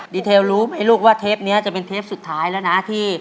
เทลรู้ไหมลูกว่าเทปนี้จะเป็นเทปสุดท้ายแล้วนะที่